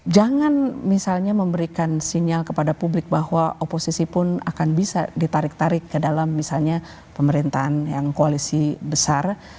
jangan misalnya memberikan sinyal kepada publik bahwa oposisi pun akan bisa ditarik tarik ke dalam misalnya pemerintahan yang koalisi besar